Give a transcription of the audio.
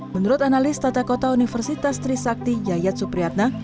menurut analis tata kota universitas trisakti yayat supriyatna